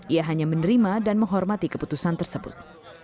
ia hanya menerima dan menghormati keputusan tersebut